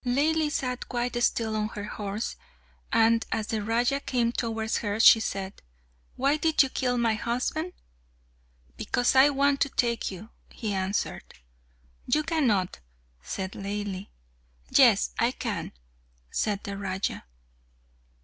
Laili sat quite still on her horse, and as the Raja came towards her she said, "Why did you kill my husband?" "Because I want to take you," he answered. "You cannot," said Laili. "Yes, I can," said the Raja.